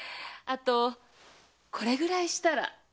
あとこれぐらいしたら。